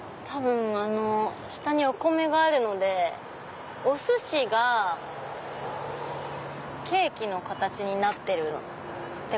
下にお米があるのでお寿司がケーキの形になってるってことですかね。